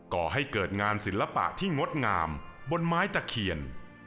ก่อให้เกิดงานศิลปะที่งดงามบนไม้ตะเคียน